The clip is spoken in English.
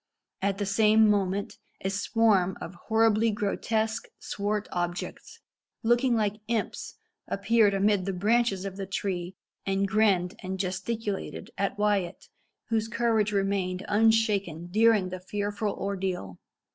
At the same moment a swarm of horribly grotesque, swart objects, looking like imps, appeared amid the branches of the tree, and grinned and gesticulated at Wyat, whose courage remained unshaken during the fearful ordeal.